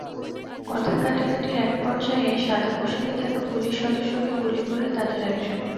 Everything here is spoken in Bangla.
কথা কাটাকাটির একপর্যায়ে সাদাপোশাকে থাকা পুলিশ সদস্যকে গুলি করে তাদের একজন।